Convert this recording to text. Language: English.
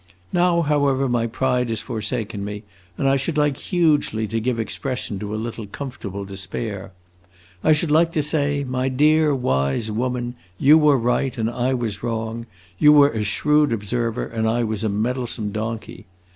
Now, however, my pride has forsaken me, and I should like hugely to give expression to a little comfortable despair. I should like to say, 'My dear wise woman, you were right and I was wrong; you were a shrewd observer and I was a meddlesome donkey!